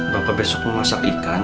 bapak besok mau masak ikan